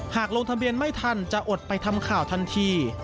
หากลงทะเบียนไม่ทันจะอดไปทำข่าวทันที